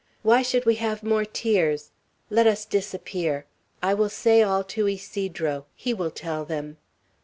Why should we have more tears? Let us disappear. I will say all to Ysidro. He will tell them."